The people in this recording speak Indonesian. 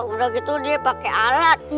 udah gitu dia pakai alat